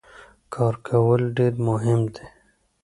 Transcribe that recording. کار کول ډیر مهم دي.